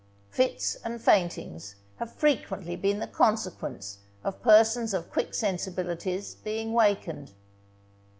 Fits and faintings have frequently been the consequence of persons of quick sensibilities being wakened.